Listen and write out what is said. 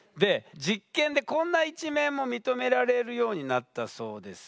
実験でこんな一面も認められるようになったそうです。